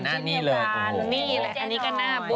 อ่านี้ละอันนี้ก็น้าบุญ